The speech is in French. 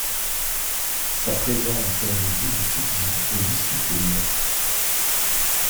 Sa présence dans les îles Fidji est discutée.